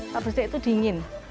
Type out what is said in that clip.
slat bistik itu dingin